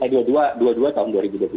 dua puluh dua tahun dua ribu dua puluh satu